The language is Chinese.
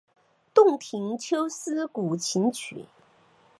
洞庭秋思古琴曲。